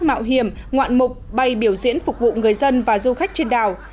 mạo hiểm ngoạn mục bay biểu diễn phục vụ người dân và du khách trên đảo